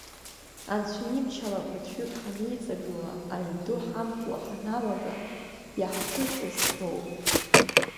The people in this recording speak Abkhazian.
Анцәа имч ала ԥыҭҩык ҳанеиҵагыла, аҩнду ҳамкуа ҳаналага, иаҳҿыҵыз роуп.